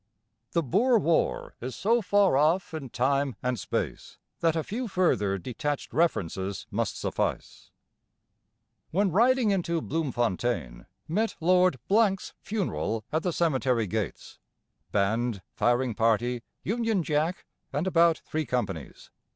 The Boer War is so far off in time and space that a few further detached references must suffice: When riding into Bloemfontein met Lord 's funeral at the cemetery gates, band, firing party, Union Jack, and about three companies.